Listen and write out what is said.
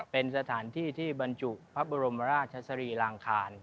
เป็นสถานที่ที่บรรจุพระบรมราชสรีรางคาร